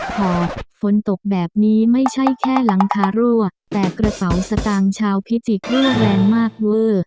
พอฝนตกแบบนี้ไม่ใช่แค่หลังคารั่วแต่กระเป๋าสตางค์ชาวพิจิกเรื่อแรงมากเวอร์